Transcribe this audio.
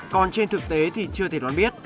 còn trên thực tế thì chưa thể đoán biết